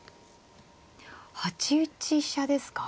８一飛車ですか。